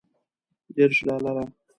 دېرش ډالره.